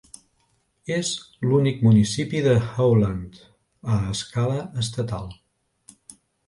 És l'únic municipi de Howland a escala estatal.